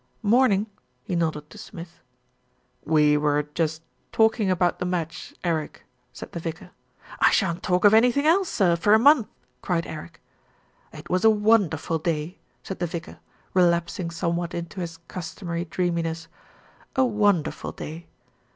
Morning," he nodded to Smith. "We were just talking about the match, Eric," said the vicar. "I shan't talk of anything else, sir, for a month," cried Eric. A VILLAGE DIVIDED AGAINST ITSELF 225 "It was a wonderful day," said the vicar, relapsing somewhat into his customary dreaminess, "a wonderful day.